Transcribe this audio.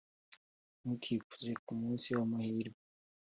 ntukikuze ku munsi w’amahirwe;